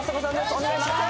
お願いします